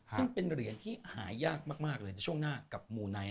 ซึ่งเป็นเหรียญที่หายากมากเลยในช่วงหน้ากับมูไนท